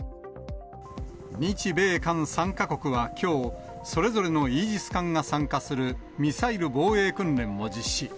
日米韓３か国はきょう、それぞれのイージス艦が参加するミサイル防衛訓練を実施。